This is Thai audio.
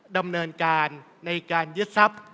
ดำเนินการในการยึดทรัพย์